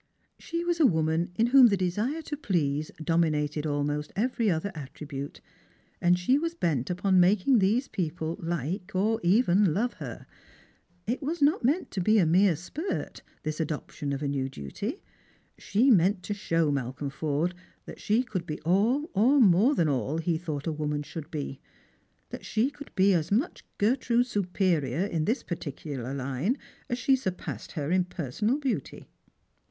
She was a woman in whom the desire to please dominated almost every other attribute, and she was bent upon making these people like or even love her. It was not to be a mere spurt, this adoption of a new duty. She meant to show Malcolm Forde that she could be all, or more than all, he thought a woman should be — that she could be as much Gertrude's superior in this particular line as she surpassed her in personal beauty.